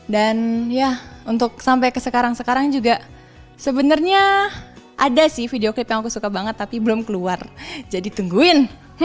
dan ya untuk sampai ke sekarang sekarang juga sebenarnya ada sih videoclip yang aku suka banget tapi belum keluar jadi tungguin